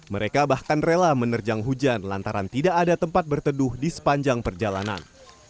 mereka bahkan rela menerjang hujan lantaran tidak ada tempat berteduh di sepanjang perjalanan